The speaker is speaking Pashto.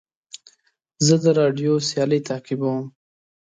زه د راډیو سیالۍ تعقیبوم.